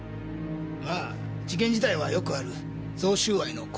まあ事件自体はよくある贈収賄の構図で。